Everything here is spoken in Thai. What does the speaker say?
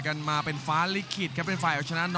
ขวางเอาไว้ครับโอ้ยเด้งเตียวคืนครับฝันด้วยศอกซ้าย